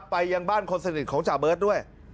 ไปยังบ้านคนสนิทของจ่าเบิร์ตด้วย